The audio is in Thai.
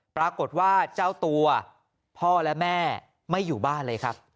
ปรากฏว่าเจ้าตัวพ่อและแม่ไม่อยู่บ้านเลยครับ